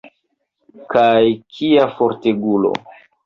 Kaj kia fortegulo!